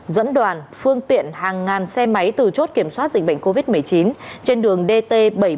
dẫn đoàn phương tiện hàng ngàn xe máy từ chốt kiểm soát dịch bệnh covid một mươi chín trên đường dt bảy trăm bốn mươi một